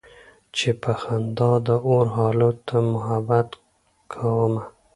چې په خندا د اور حالاتو محبت کومه